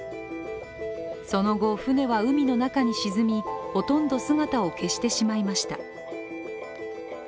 その後、船は海の中に沈みほとんど姿を消してしまいました。